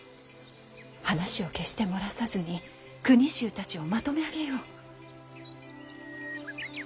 話を決して漏らさずに国衆たちをまとめ上げよう。